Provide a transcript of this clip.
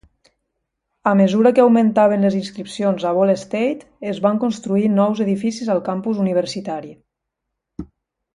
A mesura que augmentaven les inscripcions a Ball State, es van construir nous edificis al campus universitari.